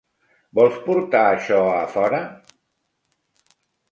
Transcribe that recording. VOLS PORTAR AIXÒ A FORA?